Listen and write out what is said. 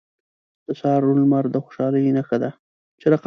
• د سهار روڼ لمر د خوشحالۍ نښه ده.